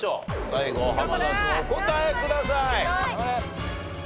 最後濱田君お答えください。